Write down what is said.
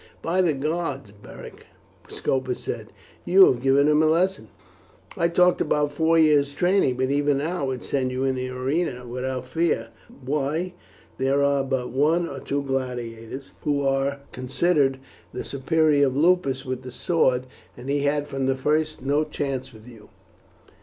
"By the gods, Beric," Scopus said, "you have given him a lesson. I talked abut four years' training, but even now I would send you into the arena without fear. Why, there are but one or two gladiators who are considered the superior of Lupus with the sword, and he had from the first no chance with you."